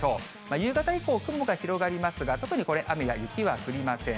夕方以降、雲が広がりますが、特にこれ、雨や雪は降りません。